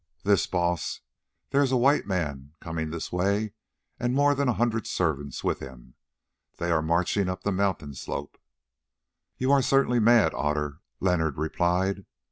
"This, Baas. There is a white man coming this way and more than a hundred servants with him; they are marching up the mountain slope." "You are certainly mad, Otter," Leonard replied.